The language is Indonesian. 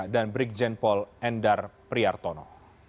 dan brikjen pol endar priartono